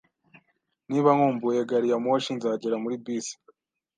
Niba nkumbuye gari ya moshi, nzagera muri bisi.